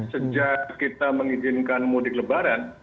sejak kita mengizinkan mudik lebaran